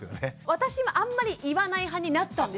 私もあんまり言わない派になったんですよ。